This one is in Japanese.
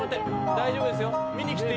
大丈夫ですよ。